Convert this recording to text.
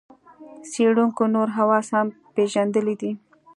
څېړونکو نور حواس هم پېژندلي دي.